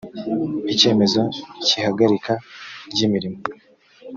icyemzo cy’ihagarika ry’imirimo